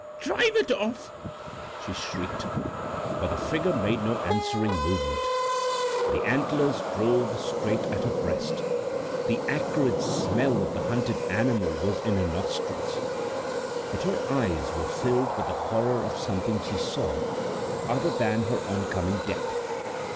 "Drive it off!" she shrieked. But the figure made no answering movement. The antlers drove straight at her breast, the acrid smell of the hunted animal was in her nostrils, but her eyes were filled with the horror of something she saw other than her oncoming death.